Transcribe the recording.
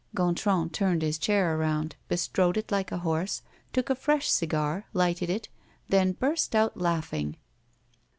Gontran turned his chair around, bestrode it like a horse, took a fresh cigar, lighted it, then burst out laughing.